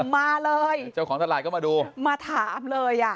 มาเลยเจ้าของตลาดก็มาดูมาถามเลยอ่ะ